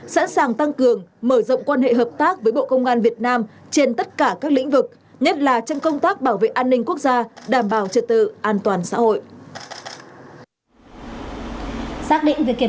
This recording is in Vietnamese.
sẵn sàng tăng cường mở rộng quan hệ hợp tác với bộ công an việt nam trên tất cả các lĩnh vực nhất là trong công tác bảo vệ an ninh quốc gia đảm bảo trật tự an toàn xã hội